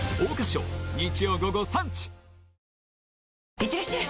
いってらっしゃい！